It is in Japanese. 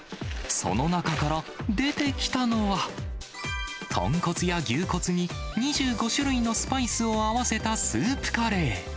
その中から出てきたのは、豚骨や牛骨に２５種類のスパイスを合わせたスープカレー。